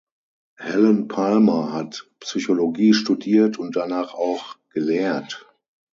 Helen Palmer hat Psychologie studiert und danach auch gelehrt.